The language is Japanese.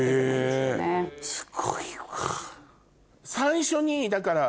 すごいわ。